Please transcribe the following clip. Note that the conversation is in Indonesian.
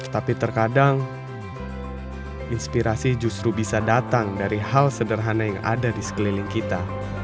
tapi terkadang inspirasi justru bisa datang dari hal sederhana yang ada di sekeliling kita